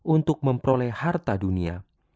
untuk memperoleh harta dunia